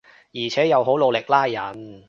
而且又好努力拉人